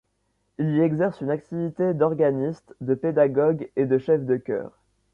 Il y exerce une activité d'organiste, de pédagogue et de chef de chœur.